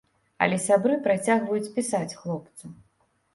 Але сябры працягваюць пісаць хлопцу.